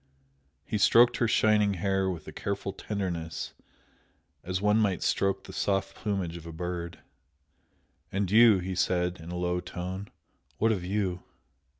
He stroked her shining hair with a careful tenderness as one might stroke the soft plumage of a bird. "And you?" he said, in a low tone "What of you?"